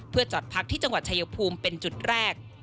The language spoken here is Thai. เพื่อจอดพักที่จังหวัดชายภูมิเป็นจุดแรก